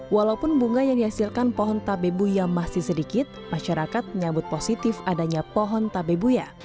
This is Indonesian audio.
walaupun bunga yang dihasilkan pohon tabebuya masih sedikit masyarakat menyambut positif adanya pohon tabebuya